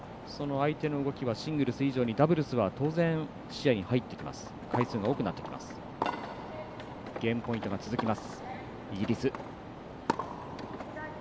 相手の動きはシングルス以上にダブルスは当然視野に入ってくる回数が多くなってきます。